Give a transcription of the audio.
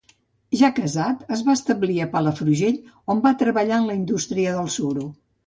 Ja casat, es va establir a Palafrugell, on va treballar en la indústria del suro.